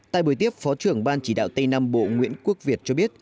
tại buổi tiếp phó trưởng ban chỉ đạo tây nam bộ nguyễn quốc việt cho biết